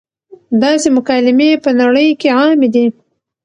داسې مکالمې پۀ نړۍ کښې عامې دي -